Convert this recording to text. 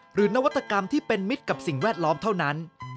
นวัตกรรมที่เป็นมิตรกับสิ่งแวดล้อมเท่านั้น